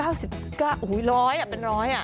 โอ้โห๑๐๐เป็นร้อย